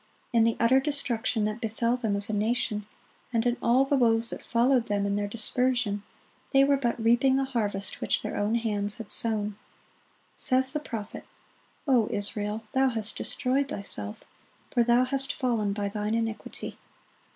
In the utter destruction that befell them as a nation, and in all the woes that followed them in their dispersion, they were but reaping the harvest which their own hands had sown. Says the prophet, "O Israel, thou hast destroyed thyself;" "for thou hast fallen by thine iniquity."